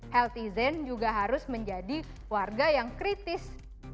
healthy zen juga harus menjadi warga yang kritis